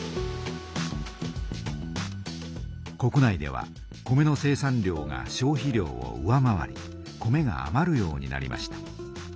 国内では米の生産量が消費量を上回り米があまるようになりました。